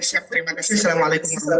oke siap terima kasih assalamualaikum wr wb